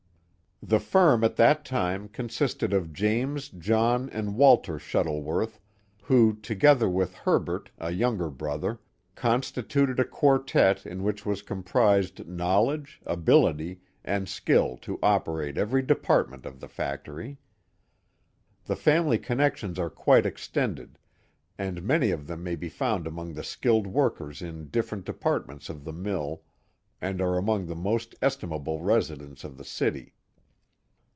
The firm at that time consisted of James. John, and Walter Shuttleworth, who, together with Herbert, a younger brother, constituted a quartet in which was comprised knowledge, ability, and skill to operate every department of the factory. The family connections are quite extended, and many of them may be found among the skilled workers in diflerent departments of the mill and are among the most estimable residents of the city.